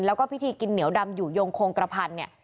แล้วก็พิธีกินเหนียวดำอยู่ยงโคงกระพันเนี่ย